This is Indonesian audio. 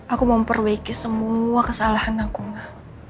aku mau memperbaiki semua kesalahan aku ma